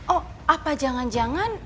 oh apa jangan jangan